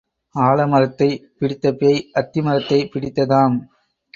ஆலமரத்தைப் பிடித்த பேய் அத்தி மரத்தைப் பிடித்ததாம்.